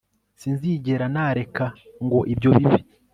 Sinzigera nareka ngo ibyo bibe